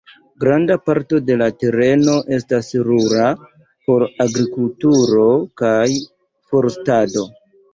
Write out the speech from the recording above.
Granda parto de la tereno estas rura, por agrikulturo kaj forstado.